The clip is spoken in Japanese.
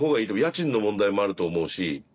家賃の問題もあると思うし。